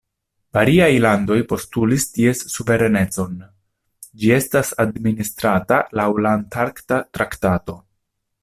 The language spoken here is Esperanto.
Variaj landoj postulis ties suverenecon; ĝi estas administrata laŭ la Antarkta traktato.